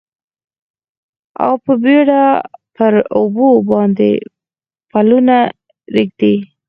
او په بیړه پر اوبو باندې پلونه ږدي